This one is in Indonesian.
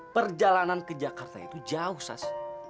perjalanan ke jakarta itu jauh sas